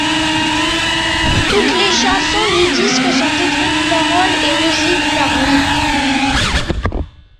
Toutes les chansons du disque sont écrites paroles et musique par MeeK.